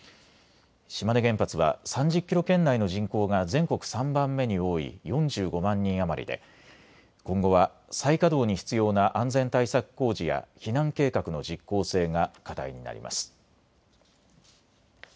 島根原発は３０キロ圏内の人口が全国３番目に多い４５万人余りで今後は再稼働に必要な安全対策工事や避難計画の実効性が課題になります。